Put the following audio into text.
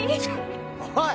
おい！